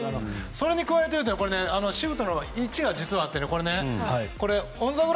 それに加えてシフトの位置が実はあってね。